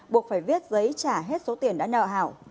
buộc phải viết giấy trả hết số tiền đã nợ hảo